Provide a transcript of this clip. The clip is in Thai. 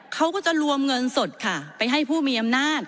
เขาก็จะรวมเงินสดค่ะไปให้ผู้มีอำนาจ